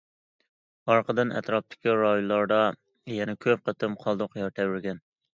ئارقىدىن ئەتراپتىكى رايونلاردا يەنە كۆپ قېتىم قالدۇق يەر تەۋرىگەن.